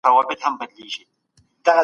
د زړه بدې ارادې نه منل کېږي.